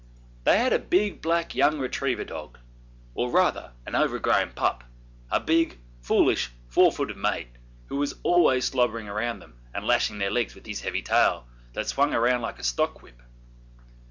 They had a big black young retriever dog or rather an overgrown pup, a big, foolish, four footed mate, who was always slobbering round them and lashing their legs with his heavy tail that swung round like a stock whip.